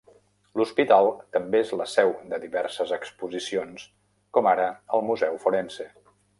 L'hospital també és la seu de diverses exposicions, com ara el museu forense.